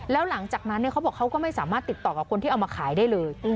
แล้วหลังจากนั้นเขาบอกเขาก็ไม่สามารถติดต่อกับคนที่เอามาขายได้เลย